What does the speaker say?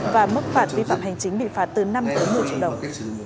và mức phạt vi phạm hành chính bị phạt từ năm tới một mươi triệu đồng